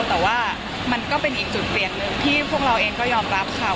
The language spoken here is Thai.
แต่ว่ามันก็เป็นอีกจุดเปลี่ยนหนึ่งที่พวกเราเองก็ยอมรับค่ะ